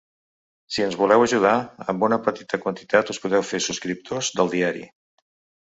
Si ens voleu ajudar, amb una petita quantitat us podeu fer subscriptors del diari.